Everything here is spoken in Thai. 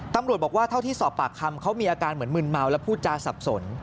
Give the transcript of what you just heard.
ตำรวจบอกว่าเท่าที่สอบปากคำเขามีอาการเหมือนมึนเมาและพูดจาสับสน